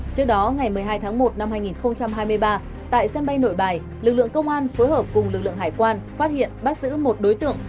trước đó ngày một mươi hai tháng một năm hai nghìn hai mươi ba tại sân bay nội bài lực lượng công an phối hợp cùng lực lượng hải quan phát hiện bắt giữ một đối tượng